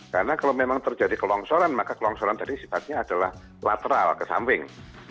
karena kalau memang terjadi kelongsoran maka kelongsoran tadi sifatnya adalah lateral ke samping